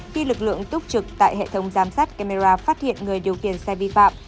khi lực lượng túc trực tại hệ thống giám sát camera phát hiện người điều khiển xe vi phạm